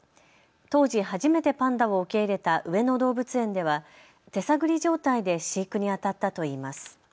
当時、初めてパンダを受け入れた上野動物園では手探り状態で飼育にあたったと言います。